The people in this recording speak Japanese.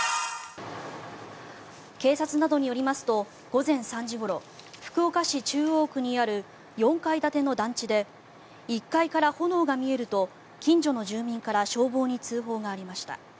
警察などによりますと午前３時ごろ福岡市中央区にある４階建ての団地で１階から炎が見えると近所の住民から消防に通報がありました。